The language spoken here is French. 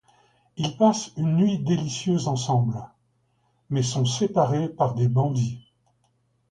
Ils passent une nuit délicieuse ensemble, mais sont séparés par des bandits.